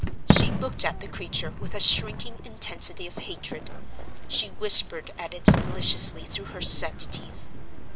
She looked at the creature with a shrinking intensity of hatred; she whispered at it maliciously through her set teeth.